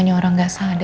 kenapa kau blushporn itu